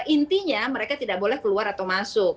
intinya mereka tidak boleh keluar atau masuk